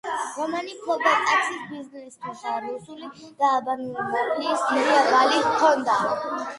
რომანი ფლობდა ტაქსის ბიზნესს, თუმცა რუსული და ალბანური მაფიის დიდი ვალი ჰქონდა.